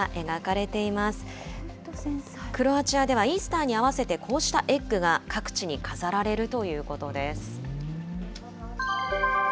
クロアチアではイースターに合わせてこうしたエッグが各地に飾られるということです。